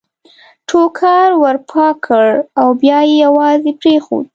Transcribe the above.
ټوکر ور پاک کړ او بیا یې یوازې پرېښود.